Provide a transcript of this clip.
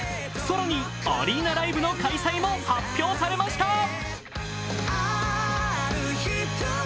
更に、アリーナライブの開催も発表されました。